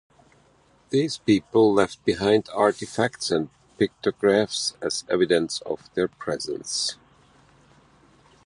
These people left behind artifacts and pictographs as evidence of their presence.